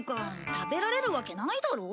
食べられるわけないだろ。